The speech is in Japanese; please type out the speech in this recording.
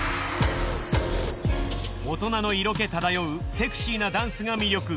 大人の色気漂うセクシーなダンスが魅力。